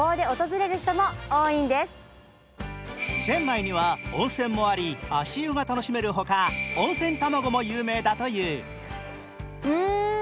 チェンマイには温泉もあり、足湯が楽しめるほか、温泉卵も有名だという。